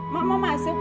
mak mau masuk deh